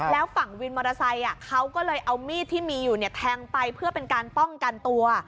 แล้วฝั่งวินมอเตอร์ไซค์เขาก็เลยเอามีดที่มีอยู่เนี่ยแทงไปเพื่อเป็นการป้องกันตัว